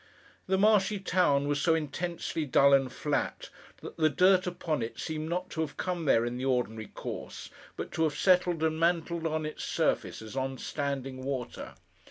The marshy town was so intensely dull and flat, that the dirt upon it seemed not to have come there in the ordinary course, but to have settled and mantled on its surface as on standing water.